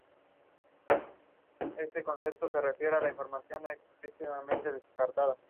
Pero esta idea nunca se materializó y el rey nunca visitó las colonias americanas.